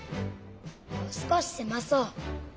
すこしせまそう。